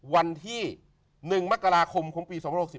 วันที่๑มกราคมของปี๒๖๔